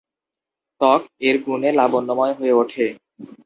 ত্বক এর গুণে লাবণ্যময় হয়ে ওঠে।